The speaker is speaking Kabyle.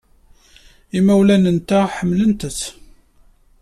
Imawlan-nteɣ ḥemmlen-tt.